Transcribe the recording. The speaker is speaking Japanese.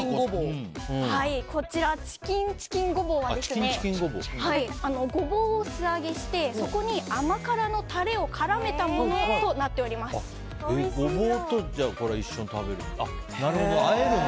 こちら、チキンチキンごぼうはゴボウを素揚げしてそこに甘辛のタレをゴボウと一緒に食べるんだ。